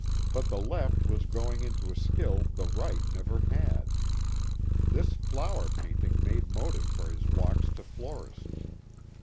But the left was growing into a skill the right never had. This flower painting made motive for his walks to florists.